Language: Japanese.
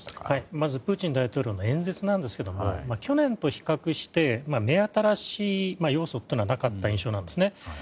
まずプーチン大統領の演説なんですけど去年と比較して、目新しい要素はなかった印象なんですね。